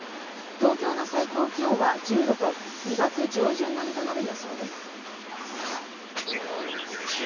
東京の最高気温は１０度と２月上旬並みとなる予想です。